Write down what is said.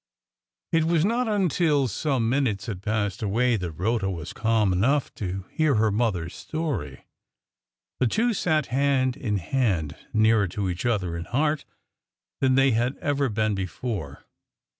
It was not until some minutes had passed away that Rhoda was calm enough to hear her mother's story. The two sat hand in hand, nearer to each other in heart than they had ever been before.